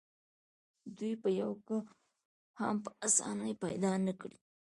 دوی به یو کار هم په اسانۍ پیدا نه کړي